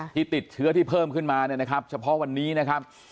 ที่ติดเชื้อที่เพิ่มขึ้นมาเนี่ยนะครับเฉพาะวันนี้นะครับ